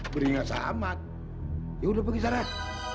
beri saya saham ya sudah pergi sekarang